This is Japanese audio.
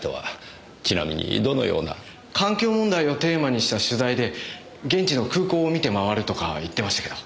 環境問題をテーマにした取材で現地の空港を見て回るとか言ってましたけど。